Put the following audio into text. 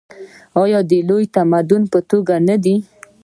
آیا د یو لوی تمدن په توګه نه دی؟